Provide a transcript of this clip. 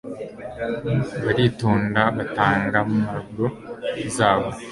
Baritonda batanga marble zabo